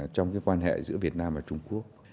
trong quan hệ giữa việt nam và trung quốc